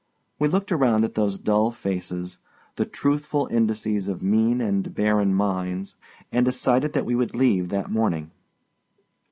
We looked around at those dull faces, the truthful indices of mean and barren minds, and decided that we would leave that morning.